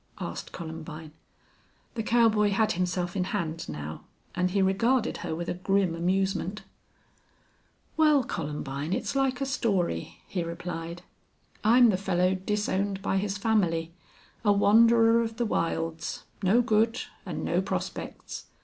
asked Columbine. The cowboy had himself in hand now and he regarded her with a grim amusement. "Well, Columbine, it's like a story," he replied. "I'm the fellow disowned by his family a wanderer of the wilds no good and no prospects....